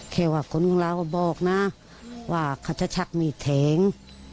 แค่ว่าคนของเราก็บอกนะว่าเขาจะชักมีดแทง